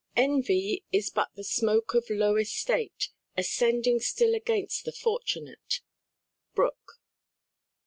"Envy is but the smoke of low estate, Ascending still against the fortunate." BROOKE.